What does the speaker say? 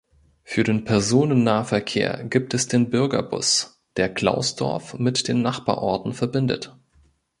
Für den Personennahverkehr gibt es den Bürgerbus, der Klausdorf mit den Nachbarorten verbindet.